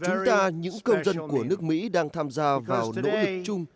chúng ta những công dân của nước mỹ đang tham gia vào nỗ lực chung